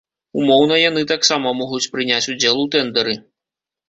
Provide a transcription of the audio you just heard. Умоўна, яны таксама могуць прыняць удзел у тэндэры.